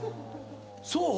そう？